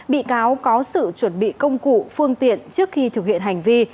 bị cáo có sự chuẩn bị công cụ phương tiện trước khi thực hiện hành vi